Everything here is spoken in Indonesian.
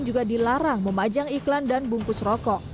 juga dilarang memajang iklan dan bungkus rokok